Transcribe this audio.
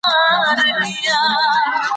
قورچي باشي د پادشاه په حکم تر تېغ تېر شو.